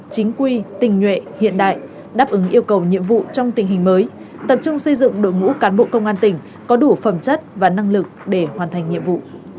chính quy tình nhuệ hiện đại đáp ứng yêu cầu nhiệm vụ trong tình hình mới tập trung xây dựng đội ngũ cán bộ công an tỉnh có đủ phẩm chất và năng lực để hoàn thành nhiệm vụ